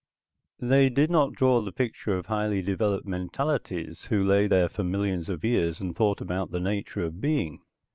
They did not draw the picture of highly developed mentalities who lay there for millions of years and thought about the nature of being.